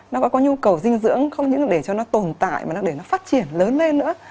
nó có nhu cầu dinh dưỡng không những để cho nó tồn tại mà nó để nó phát triển lớn lên nữa